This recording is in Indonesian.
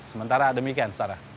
sementara demikian sarah